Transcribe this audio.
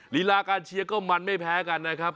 ลีลาการเชียร์ก็มันไม่แพ้กันนะครับ